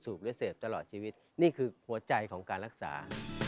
หรือเสพตลอดชีวิตนี่คือหัวใจของการรักษา